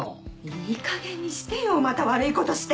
いいかげんにしてよまた悪いことして！